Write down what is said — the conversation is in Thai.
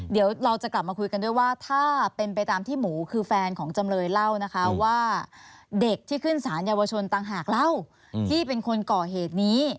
เดี๋ยวเราจะกลับมาคุยกันด้วยว่าถ้าเป็นไปตามที่หมูคือแฟนของจำเลยเล่านะคะว่าเด็กที่ขึ้นสารเยาวชนต่างหากเล่าที่เป็นคนก่อเหตุนี้